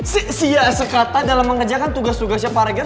seiya sekata dalam mengerjakan tugas tugasnya pak regan